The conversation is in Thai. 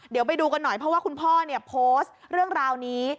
เดี๋ยวไปดูกันหน่อยเพราะว่าคุณพ่อเนี่ยโพสต์เรื่องราวนี้